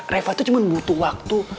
reva itu cuma butuh waktu